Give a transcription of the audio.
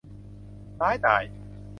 ต่ายตาย